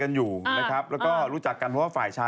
ก็แล้วแต่ความสบายใจ